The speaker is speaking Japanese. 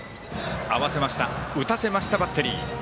打たせました、バッテリー。